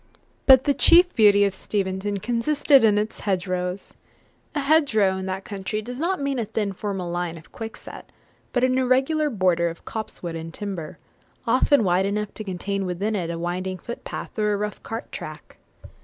But the chief beauty of Steventon consisted in its hedgerows. A hedgerow, in that country, does not mean a thin formal line of quickset, but an irregular border of copse wood and timber, often wide enough to contain within it a winding footpath, or a rough cart track.